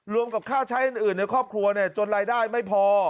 กับค่าใช้อื่นในครอบครัวจนรายได้ไม่พอ